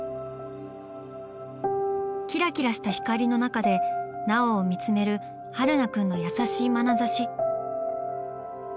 キラキラした光の中で奈緒を見つめる榛名くんの優しいまなざし。